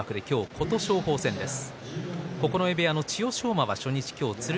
琴勝峰戦です。